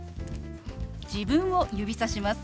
自分を指さします。